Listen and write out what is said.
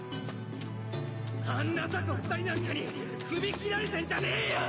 ・あんな雑魚２人なんかに首斬られてんじゃねえよ！